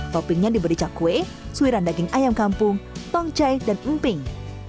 toppingnya diberi cakwe suiran daging ayam kampung tongcai dan emping